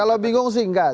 kalau bingung sih enggak